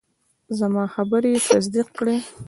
زما خبرې یې تصدیق کړې.